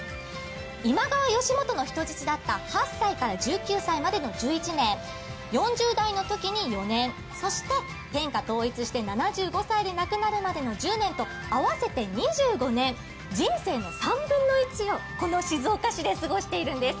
今川義元の人質だった８歳から１９歳までの１１年、４０代のときに４年、そして天下統一して７５歳で亡くなるまでの１０年と合わせて２５年、人生の３分の１をこの静岡市で過ごしているんです。